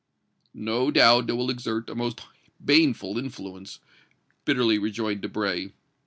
"No doubt it will exert a most baneful influence," bitterly rejoined Debray.